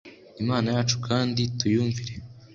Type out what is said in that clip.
imana yacu kandi tuyumvire